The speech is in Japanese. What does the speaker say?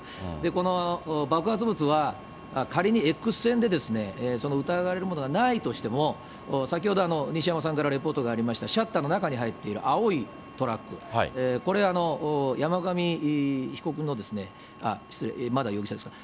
この爆発物は、仮に、エックス線でその疑われるものがないとしても、先ほど、西山さんからレポートがありました、シャッターの中に入っている青いトラック、これ、山上被告の、失礼、まだ容疑者ですか。